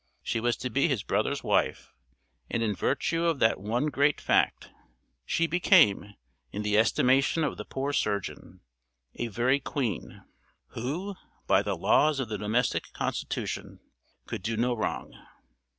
She was to be his brother's wife, and, in virtue of that one great fact, she became, in the estimation of the poor surgeon, a very queen, who, by the laws of the domestic constitution, could do no wrong.